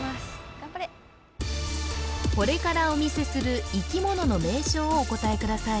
頑張れこれからお見せする生き物の名称をお答えください